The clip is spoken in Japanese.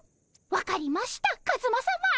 分かりましたカズマさま